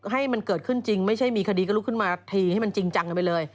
ให้มันเกิดขึ้นจริงไม่ใช่มีคดีก็ลุกขึ้นมาทีให้มันจริงจังกันไปเลย